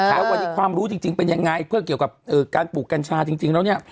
แล้ววันนี้ความรู้จริงเป็นยังไงเพื่อเกี่ยวกับการปลูกกัญชาจริงแล้วเนี่ย